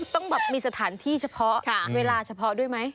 ต้องแบบมีสถานที่เฉพาะเวลาเฉพาะด้วยไหม